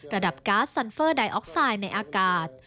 ระดับแก๊สในอากาศ